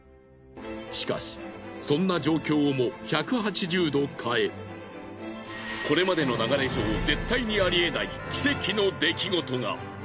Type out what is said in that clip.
しかしそんな状況をも１８０度変えこれまでの流れ上絶対にありえない奇跡の出来事が！